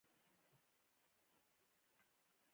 دوی حکمران او وزیران شول.